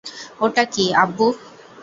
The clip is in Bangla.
ওটা কী, আব্বু?